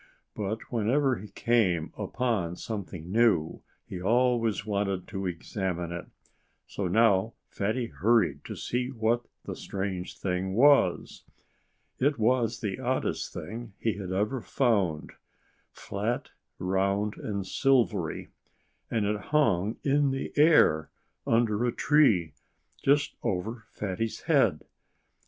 But whenever he came upon something new he always wanted to examine it. So now Fatty hurried to see what the strange thing was. It was the oddest thing he had ever found flat, round, and silvery; and it hung in the air, under a tree, just over Fatty's head.